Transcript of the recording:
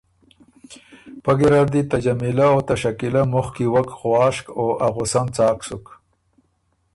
پۀ ګېرډ دی ته جمیلۀ او ته شکیلۀ مخکی وک غواشک او ا غصۀ ن څاک سُک۔